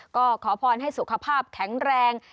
ก็ขอพรให้สุขภาพแข็งแรง